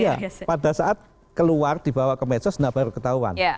iya pada saat keluar dibawa ke medsos nah baru ketahuan